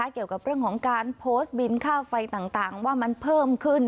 เกี่ยวกับเรื่องของการโพสต์บินค่าไฟต่างว่ามันเพิ่มขึ้น